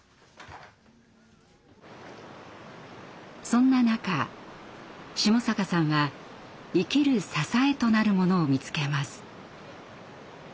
そんな中下坂さんは「生きる支え」となるものを見つけます。